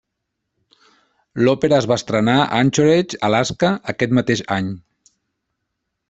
L'òpera es va estrenar a Anchorage, Alaska, aquest mateix any.